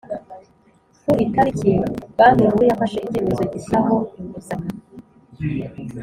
ku itariki Banki Nkuru yafashe icyemezo gishyiraho inguzanyo